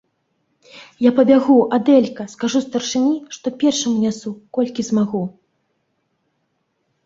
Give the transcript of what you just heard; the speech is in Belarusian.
Я пабягу, Адэлька, скажу старшынi, што першым унясу, колькi змагу...